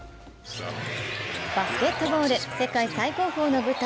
バスケットボール世界最高峰の舞台